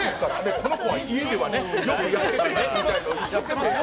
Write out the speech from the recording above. この子は家ではよくやっててって。